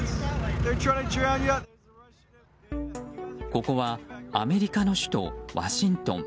ここはアメリカの首都ワシントン。